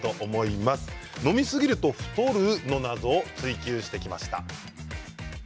飲みすぎると太るの謎を追求してきました。